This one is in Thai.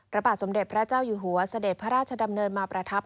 พระบาทสมเด็จพระเจ้าอยู่หัวเสด็จพระราชดำเนินมาประทับ